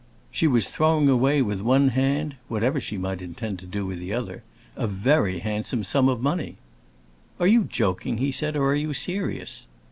She was throwing away with one hand, whatever she might intend to do with the other, a very handsome sum of money. "Are you joking," he said, "or are you serious?"